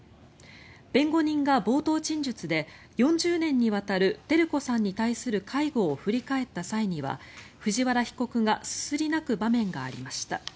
弁護人が冒頭陳述で４０年にわたる照子さんに対する介護を振り返った際には藤原被告がすすり泣く場面がありました。